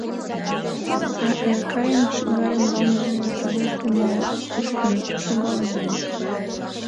А Эркайын шӱгар ӱмбалныже кугу тумо кушкын шогалын, маныт.